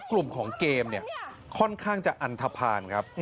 กลุ่มของเกมเนี่ยค่อนข้างจะอันทภาณครับ